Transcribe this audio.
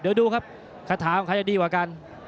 เดี๋ยวดูครับคาถามใครจะดีกว่ากัน